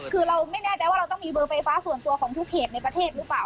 คือเราไม่แน่ใจว่าเราต้องมีเบอร์ไฟฟ้าส่วนตัวของทุกเขตในประเทศหรือเปล่า